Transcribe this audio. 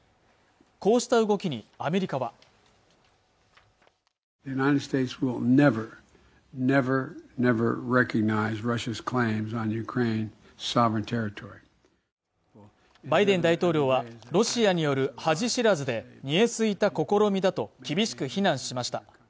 こうした動きにアメリカはバイデン大統領はロシアによる恥知らずで見え透いた試みだと厳しく非難しました